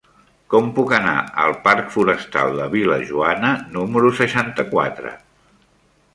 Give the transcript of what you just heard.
Com puc anar al parc Forestal de Vil·lajoana número seixanta-quatre?